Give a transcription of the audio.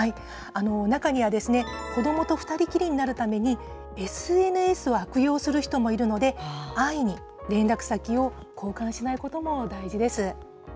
中には、子どもと２人きりになるために、ＳＮＳを悪用する人もいるので、安易に連絡先を交換しないことも大事です。